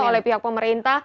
oleh pihak pemerintah